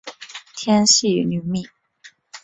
天钿女命。